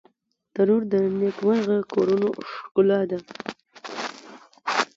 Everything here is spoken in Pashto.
تنور د نیکمرغه کورونو ښکلا ده